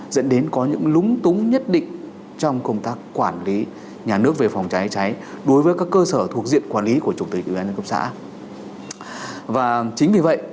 dẫn đến có những lúng túng nhất định trong công tác quản lý nhà nước về phòng cháy cháy đối với các cơ sở thuộc diện quản lý của chủ tịch ủy ban nhân cấp xã